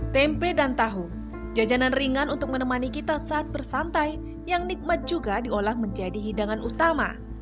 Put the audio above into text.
tempe dan tahu jajanan ringan untuk menemani kita saat bersantai yang nikmat juga diolah menjadi hidangan utama